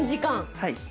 はい。